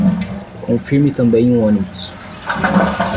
Confirme também o ônibus